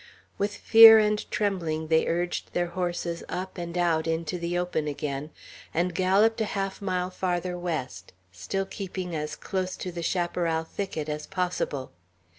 With fear and trembling they urged their horses up and out into the open again, and galloped a half mile farther west, still keeping as close to the chaparral thicket as possible.